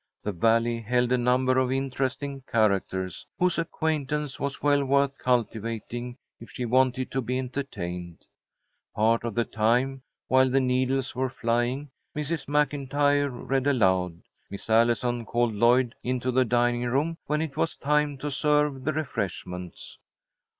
The Valley held a number of interesting characters, whose acquaintance was well worth cultivating if she wanted to be entertained. Part of the time, while the needles were flying, Mrs. MacIntyre read aloud. Miss Allison called Lloyd into the dining room when it was time to serve the refreshments.